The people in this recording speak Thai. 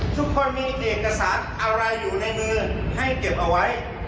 ทุกคนมีเอกสารอะไรอยู่ในมือให้เก็บเอาไว้